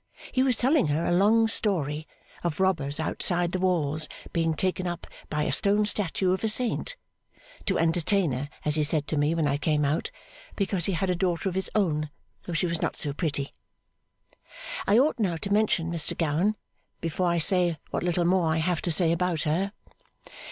He was telling her a long story (of robbers outside the walls being taken up by a stone statue of a Saint), to entertain her as he said to me when I came out, 'because he had a daughter of his own, though she was not so pretty.' I ought now to mention Mr Gowan, before I say what little more I have to say about her.